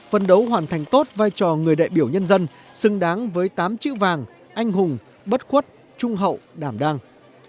phân đấu hoàn thành tốt vai trò người đại biểu nhân dân xứng đáng với tám chữ vàng anh hùng bất khuất trung hậu đảm đang